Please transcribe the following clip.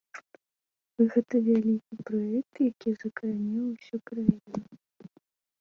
Гэта вялікі праект, які закране ўсю краіну.